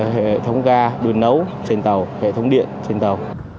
hệ thống ga đun nấu trên tàu hệ thống điện trên tàu